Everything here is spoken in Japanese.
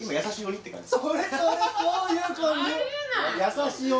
優しい鬼。